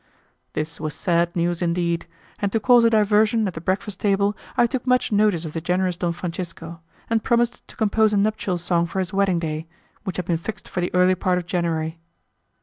This was sad news indeed, and to cause a diversion at the breakfast table I took much notice of the generous Don Francisco, and promised to compose a nuptial song for his wedding day, which had been fixed for the early part of January.